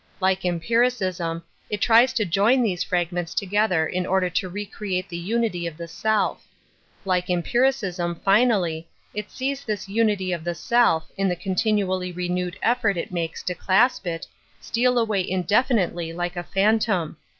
Like empiricism, it tries to join these fragments together in ■order to re create the unity of the self. Kke empiricism, finally, it sees this unity Bf the self, in the continually renewed effort It makes to clasp it, steal away indefinitely pke a phantom.